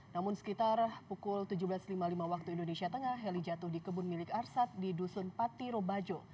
namun sekitar pukul tujuh belas lima puluh lima waktu indonesia tengah heli jatuh di kebun milik arsat di dusun patiro bajo